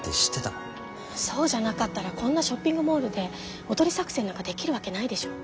そうじゃなかったらこんなショッピングモールでおとり作戦なんかできるわけないでしょ。